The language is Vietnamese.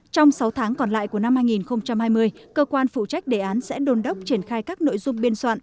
trong sáu tháng còn lại của năm hai nghìn hai mươi cơ quan phụ trách đề án sẽ đồn đốc triển khai các nội dung biên soạn